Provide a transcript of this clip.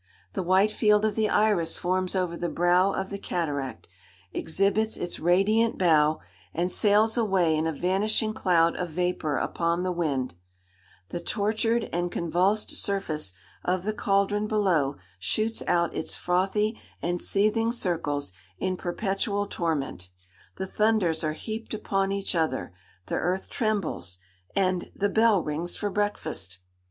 The white field of the iris forms over the brow of the cataract, exhibits its radiant bow, and sails away in a vanishing cloud of vapour upon the wind; the tortured and convulsed surface of the caldron below shoots out its frothy and seething circles in perpetual torment; the thunders are heaped upon each other, the earth trembles, and—the bell rings for breakfast!